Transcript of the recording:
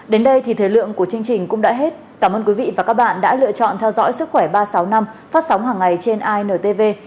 đến đây thì thời lượng của chương trình cũng đã hết cảm ơn quý vị và các bạn đã lựa chọn theo dõi sức khỏe ba trăm sáu mươi năm phát sóng hàng ngày trên intv